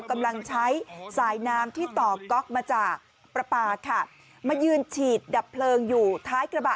กำลังใช้สายน้ำที่ต่อก๊อกมาจากประปาค่ะมายืนฉีดดับเพลิงอยู่ท้ายกระบะ